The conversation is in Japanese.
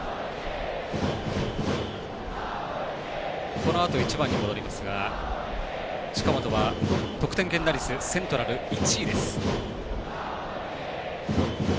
このあと１番に戻りますが近本は、得点圏打率セントラル１位です。